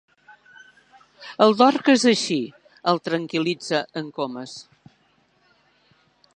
El Dorca és així —el tranquil·litza el Comas—.